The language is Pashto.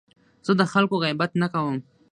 زه د خلکو غیبت نه کوم.